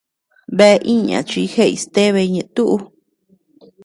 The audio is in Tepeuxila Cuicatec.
Bea iña chi jeʼey stebe ñeʼe tuʼu.